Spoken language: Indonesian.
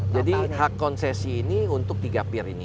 jadi hak konsesi ini untuk tiga peer ini